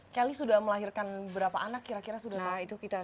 kelly sudah melahirkan berapa anak kira kira sudah tahu